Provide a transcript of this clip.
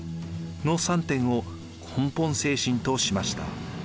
の３点を根本精神としました。